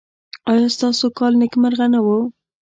ایا ستاسو کال نیکمرغه نه و؟